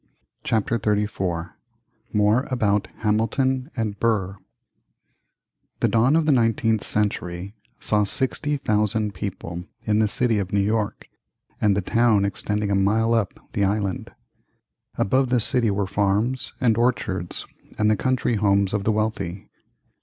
CHAPTER XXXIV MORE about HAMILTON and BURR The dawn of the nineteenth century saw 60,000 people in the city of New York and the town extending a mile up the island. Above the city were farms and orchards and the country homes of the wealthy.